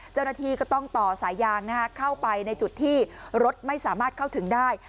เจ้าหน้าที่ก็ต้องต่อสายยางเข้าไปในจุดที่รถไม่สามารถเข้าถึงได้